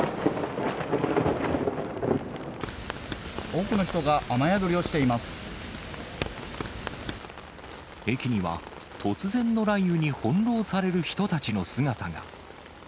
多くの人が雨宿りをしていま駅には、突然の雷雨に翻弄される人たちの姿が。